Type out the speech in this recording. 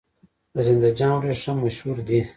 د زنده جان وریښم مشهور دي